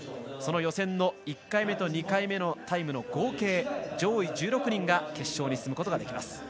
その予選の１回目と２回目のタイムの合計での上位１６人が決勝に進みます。